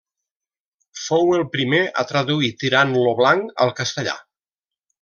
Fou el primer a traduir Tirant lo Blanc al castellà.